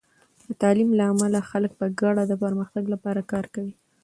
د تعلیم له امله، خلک په ګډه د پرمختګ لپاره کار کوي.